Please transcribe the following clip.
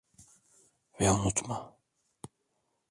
Ve unutma.